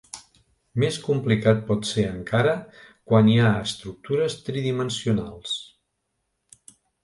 Més complicat pot ser encara quan hi ha estructures tridimensionals.